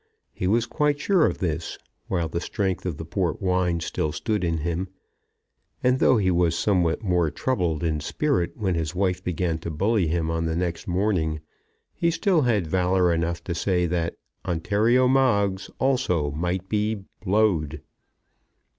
He was quite sure of this, while the strength of the port wine still stood to him; and though he was somewhat more troubled in spirit when his wife began to bully him on the next morning, he still had valour enough to say that Ontario Moggs also might be blowed.